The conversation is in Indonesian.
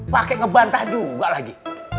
pak kek ngebantah juga lagi